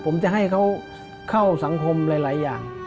ผมจะให้เขาเข้าสังคมหลายอย่าง